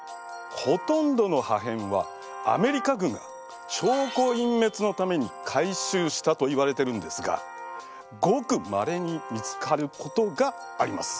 ほとんどの破片はアメリカ軍が証拠いんめつのために回収したといわれてるんですがごくまれに見つかることがあります。